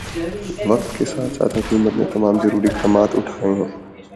وقت کے ساتھ ساتھ حکومت نے تمام ضروری اقدامات اٹھائے ہیں او